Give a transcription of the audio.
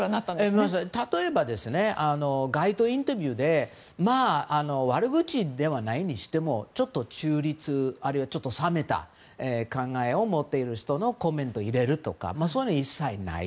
例えば、街頭インタビューで悪口ではないにしてもちょっと中立あるいは冷めた考えを持っている人のコメントを入れるとかそういうのは一切ない。